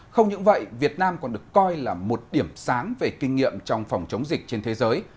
không những vậy việt nam còn được coi là một điểm sáng về kinh nghiệm trong phòng chống dịch trên thế giới